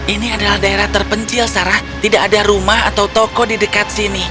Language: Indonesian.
ini adalah daerah terpencil sarah tidak ada rumah atau toko di dekat sini